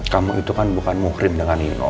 kamu itu kan bukan muhrim dengan nino